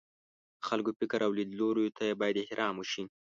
د خلکو فکر او لیدلوریو ته باید احترام وشي.